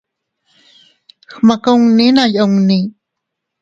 Gmakunni naa yunni.